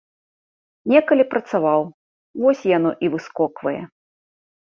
Некалі працаваў, вось яно і выскоквае.